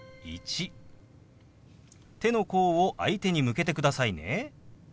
手の甲を相手に向けてくださいね。